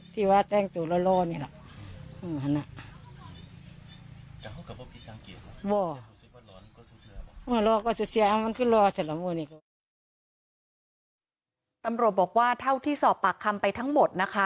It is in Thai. ตำรวจบอกว่าเท่าที่สอบปากคำไปทั้งหมดนะคะ